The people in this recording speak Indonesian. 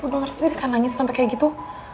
udah ngeras diri kan nangis sampe kayak gitu